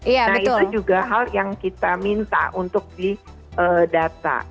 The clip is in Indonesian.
nah itu juga hal yang kita minta untuk didata